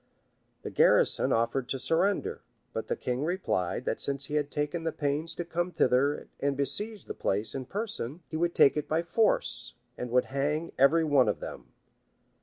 [*] The garrison offered to surrender; but the king replied, that since he had taken the pains to come thither and besiege the place in person, he would take it by force, and would hang every one of them.